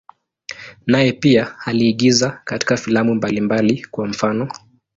Naye pia aliigiza katika filamu mbalimbali, kwa mfano.